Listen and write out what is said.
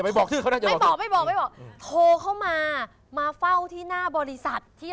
ไม่บอกไทยก็ไม่บอก